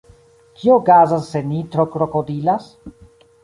Kio okazas se ni tro krokodilas?